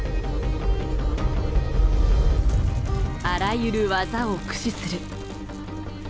あらゆる技を駆使する。